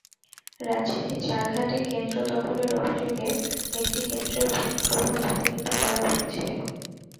রাজশাহীর চারঘাটে কেন্দ্র দখলের অভিযোগে একটি কেন্দ্রের ভোট গ্রহণ স্থগিত করা হয়েছে।